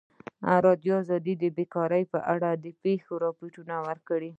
ازادي راډیو د بیکاري په اړه د پېښو رپوټونه ورکړي.